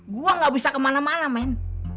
gue gak bisa kemana mana main